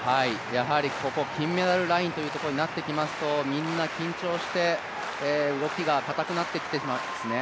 ここ金メダルラインというところになってきますと、みんな緊張して動きが固くなってきてしまうんですね。